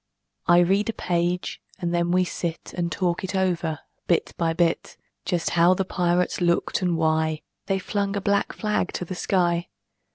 I read a page, and then we sit And talk it over, bit by bit; Just how the pirates looked, and why They flung a black flag to the sky.